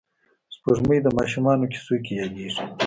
سپوږمۍ د ماشومانو کیسو کې یادېږي